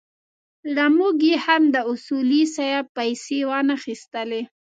له موږ یې هم د اصولي صیب پېسې وانخيستلې.